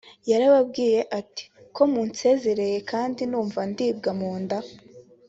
“Yarababwiye ati ko munsezereye kandi numva ndibwa mu nda